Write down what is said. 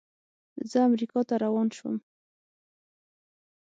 زه امریکا ته روان شوم.